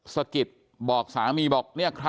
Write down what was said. สกิดบอกว่าสามีบอก